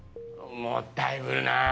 もったいぶるな！